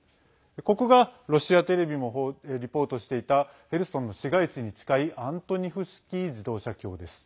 ここが、ロシアテレビもリポートしていたヘルソンの市街地に近いアントニフシキー自動車橋です。